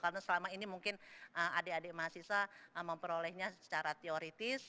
karena selama ini mungkin adik adik mahasiswa memperolehnya secara teoritis